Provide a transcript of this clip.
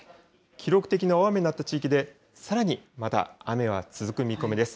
記録的な大雨になった地域でさらにまだ雨が続く見込みです。